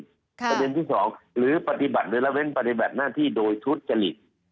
ประเด็นที่๒หรือระเวนปฏิบัติหน้าที่โดยทุจกฎริต